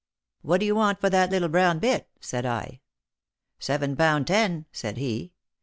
" What do you want for that little brown bit P " said I. " Seven pound ten," said he.